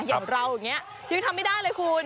อย่างเราอย่างนี้ยุ้ยทำไม่ได้เลยคุณ